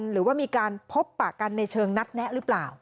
หรือว่ามีการพบปะกันในเชิงนัดแนะหรือเปล่า